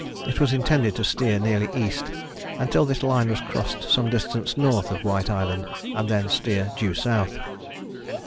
It was intended to steer nearly east until this line was crossed some distance north of White Island, and then steer due south.